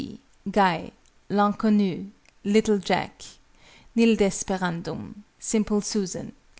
K. C. GUY. L'INCONNU. LITTLE JACK. NIL DESPERANDUM. SIMPLE SUSAN.